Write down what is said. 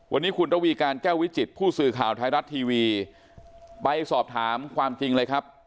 วันนี้คุณระวีการแก้ววิจิตผู้สื่อข่าวไทยรัฐทีวีไปสอบถามความจริงเลยครับ